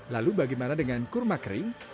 lalu bagaimana dengan kurma kering